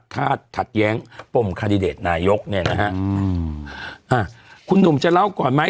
ขัดแย้งปมคาดิเดตนายกเนี่ยนะฮะอืมอ่าคุณหนุ่มจะเล่าก่อนไหม